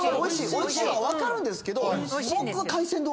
おいしいのは分かるんですけど僕は。